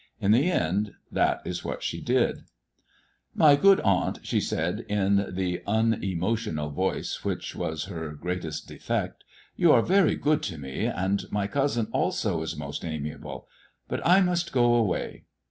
In the end that is what slie did. " My good aunt," she said, in the unemotional voice which was her greatest defect. " You are very good to me, and my cousin also is most amiable. But I must go away."